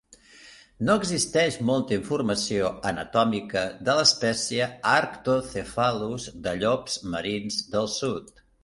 No existeix molta informació anatòmica de l'espècie "Arctocephalus" de llops marins del sud.